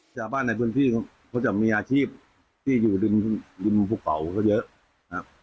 ชาวบ้านในพื้นที่เขาจะมีอาชีพที่อยู่ริมภูเขาเยอะนะครับ